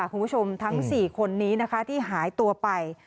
ครับคุณผู้ชมทั้ง๔คนนี้ที่หายตัวไป